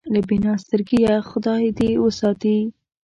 له بینا سترګېه خدای دې وساتي.